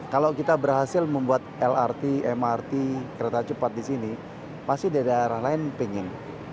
kalau kita berhasil membuat lrt mrt kereta cepat di sini pasti daerah lain pengen